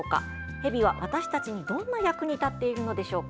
ヘビは私たちに、どんな役に立っているのでしょうか？